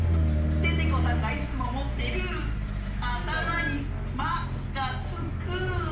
デテコさんがいつももってるあたまに「マ」がつく。